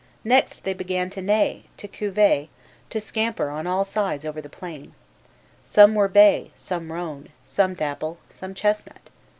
Next they began to neigh, to curvet, to scamper on all sides over the plain. Some were bay, some roan, some dapple, some chestnut.